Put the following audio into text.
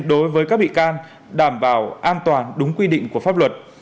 đối với các bị can đảm bảo an toàn đúng quy định của pháp luật